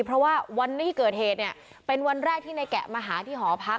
เพราะว่าวันที่เกิดเหตุเนี่ยเป็นวันแรกที่ในแกะมาหาที่หอพัก